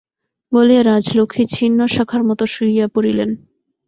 বলিয়া রাজলক্ষ্মী ছিন্ন শাখার মতো শুইয়া পড়িলেন।